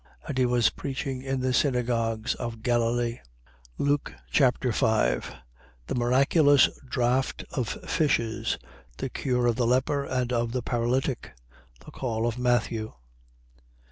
4:44. And he was preaching in the synagogues of Galilee. Luke Chapter 5 The miraculous draught of fishes. The cure of the leper and of the paralytic. The call of Matthew.